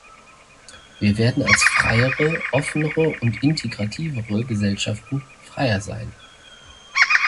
Wir werden als freiere, offenere und integrativere Gesellschaften freier sein.